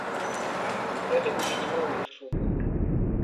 Гэта былі немалыя сумы.